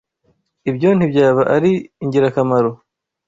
Ibyo ntibyaba ari ingirakamaro